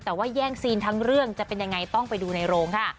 แต่ว่าแย่งซีนทั้งเรื่องจะเป็นยังไงต้องไปดูในโรงค่ะ